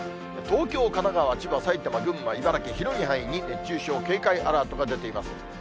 東京、神奈川、千葉、埼玉、群馬、茨城、広い範囲に熱中症警戒アラートが出ています。